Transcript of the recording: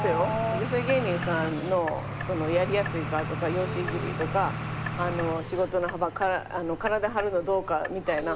女性芸人さんのやりやすいからとか容姿いじりとか仕事の幅体張るのどうかみたいな。